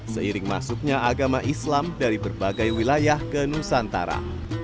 seiring masuknya agama islam dari berbagai wilayah ke nusantara